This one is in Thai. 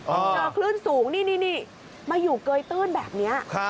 เจอคลื่นสูงนี่มาอยู่เกยตื้นแบบนี้